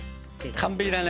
完璧だね。